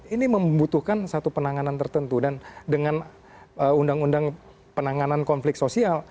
ini membutuhkan satu penanganan tertentu dan dengan undang undang penanganan konflik sosial